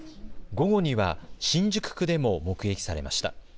午後には新宿区でも目撃されました。